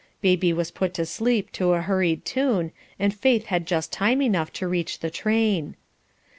Baby was put to sleep to a hurried tune, and Faith had just time enough to reach the train.